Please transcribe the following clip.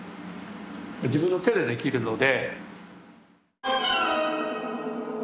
自分の手でできるので。